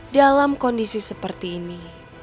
dalam kondisi seperti ini